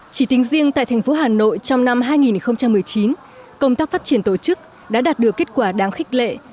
chỉ tính riêng tại thành phố hà nội trong năm hai nghìn một mươi chín công tác phát triển tổ chức đã đạt được kết quả đáng khích lệ